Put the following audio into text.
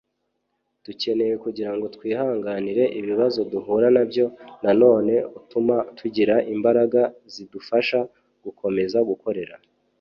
Dukeneye Kugira Ngo Twihanganire Ibibazo Duhura Na Byo Nanone Utuma Tugira Imbaraga Zidufasha Gukomeza Gukorera